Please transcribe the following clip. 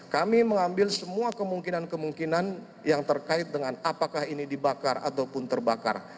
kami mengambil semua kemungkinan kemungkinan yang terkait dengan apakah ini dibakar ataupun terbakar